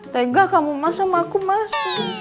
tegak kamu masuk sama aku mas